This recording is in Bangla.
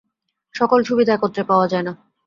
সকল সুবিধা একত্রে পাওয়া যায় না।